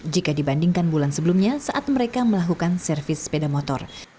jika dibandingkan bulan sebelumnya saat mereka melakukan servis sepeda motor